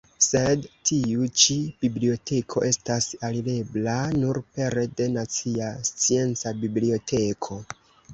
Sed tiu ĉi biblioteko estas alirebla nur pere de nacia scienca biblioteko.